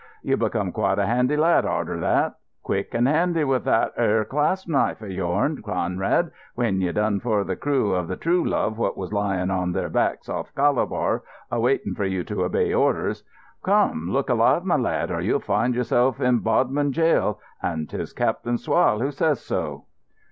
You become quite a handy lad arter that. Quick and handy with that 'ere clasp knife of yourn, Conrad, when you done for the crew of the True Love what was lying on their backs off Calabar a waiting for you to obey orders. Come, look alive, my lad, or you'll find yourself in Bodmin Gaol, and 'tis Cap'n Swall who says so."